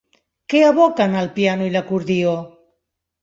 Què evoquen el piano i l'acordió?